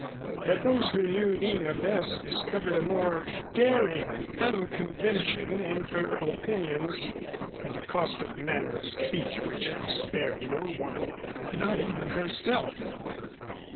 But those who knew Nina best discovered a more daring unconvention in her opinions and a caustic manner of speech which spared no one, not even herself.